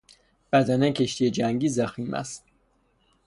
بدنه کشتی جنگی ضخیم است.